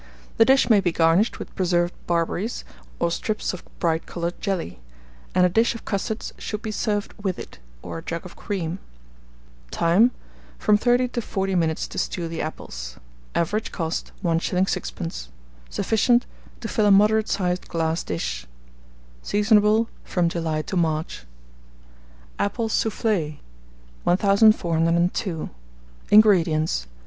The dish may be garnished with preserved barberries, or strips of bright coloured jelly; and a dish of custards should be served with it, or a jug of cream. Time. From 30 to 40 minutes to stew the apples. Average cost, 1s. 6d. Sufficient to fill a moderate sized glass dish. Seasonable from July to March. APPLE SOUFFLE. 1402. INGREDIENTS.